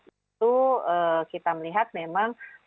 itu kita melihat memang ada berbagai hal